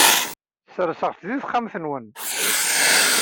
Serseɣ-tt deg texxamt-nwen.